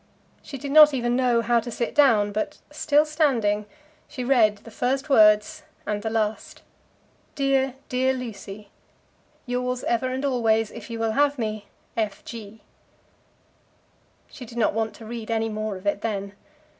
She did not even know how to sit down, but, still standing, she read the first words, and at the last, "Dear, dear Lucy," "Yours ever and always, if you will have me, F. G." She did not want to read any more of it then.